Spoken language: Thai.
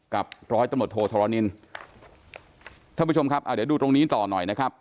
กับร้อยตำรวจโทธรณินท่านผู้ชมครับอ่าเดี๋ยวดูตรงนี้ต่อหน่อยนะครับ